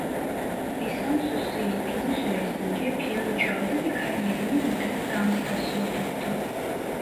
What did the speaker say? Lisansüstü eğitimi süresince piyano çaldı ve kariyerini modern dansta sürdürdü.